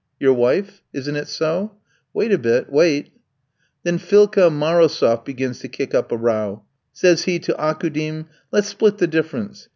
"Your wife? Isn't it so?" "Wait a bit, wait. Then Philka Marosof begins to kick up a row. Says he to Aukoudim: 'Let's split the difference.